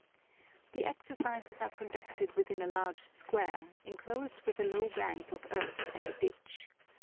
The exercises are conducted within a large square, enclosed with a low bank of earth and a ditch.